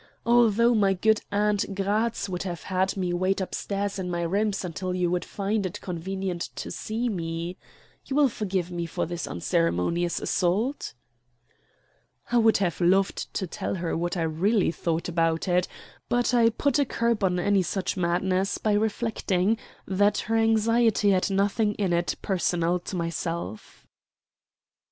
"Although my good aunt Gratz would have had me wait upstairs in my rooms until you would find it convenient to see me. You will forgive me for this unceremonious assault?" I would have loved to tell her what I really thought about it; but I put a curb on any such madness by reflecting that her anxiety had nothing in it personal to myself.